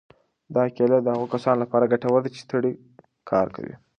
دا کیله د هغو کسانو لپاره ګټوره ده چې ستړی کار کوي.